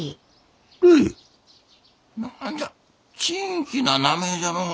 何じゃ珍奇な名前じゃのう。